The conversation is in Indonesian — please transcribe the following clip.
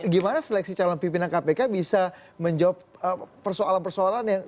gimana seleksi calon pimpinan kpk bisa menjawab persoalan persoalan yang